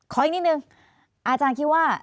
อีกนิดนึงอาจารย์คิดว่า